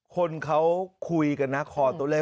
คนเขาคุยกันนะคอตัวเลข